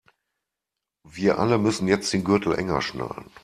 Wir alle müssen jetzt den Gürtel enger schnallen.